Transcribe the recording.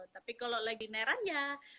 tapi kalau lagi neran ya